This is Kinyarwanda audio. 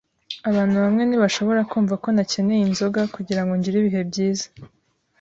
Abantu bamwe ntibashobora kumva ko ntakeneye inzoga kugirango ngire ibihe byiza.